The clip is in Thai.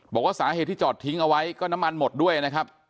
บอกว่าสาเหตุที่จอดทิ้งเอาไว้ก็น้ำมันหมดด้วยนะครับ